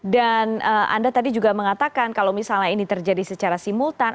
dan anda tadi juga mengatakan kalau misalnya ini terjadi secara simultan